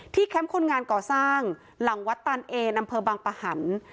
ที่แคมป์คนงานก่อสร้างหลังวัดตานเอนบปหัน